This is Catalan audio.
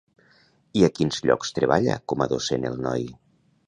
I a quins llocs treballa com a docent el noi?